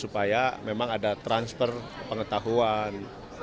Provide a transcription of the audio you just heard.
supaya memang ada transfer pengetahuan